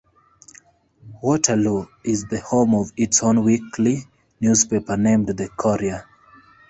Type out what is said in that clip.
Waterloo is the home of its own weekly newspaper named The Courier.